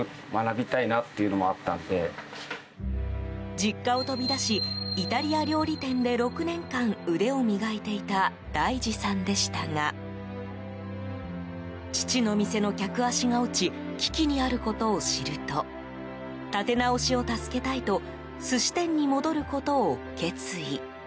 実家を飛び出しイタリア料理店で６年間腕を磨いていた大二さんでしたが父の店の客足が落ち危機にあることを知ると立て直しを助けたいと寿司店に戻ることを決意。